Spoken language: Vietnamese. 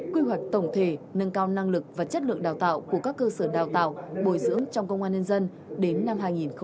quy hoạch tổng thể nâng cao năng lực và chất lượng đào tạo của các cơ sở đào tạo bồi dưỡng trong công an nhân dân đến năm hai nghìn ba mươi